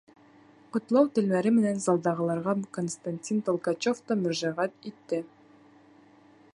Ҡотлау телмәре менән залдағыларға Константин Толкачев та мөрәжәғәт итте.